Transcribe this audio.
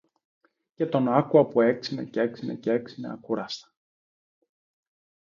Και τον άκουα που έξυνε, κι έξυνε, κι έξυνε ακούραστα.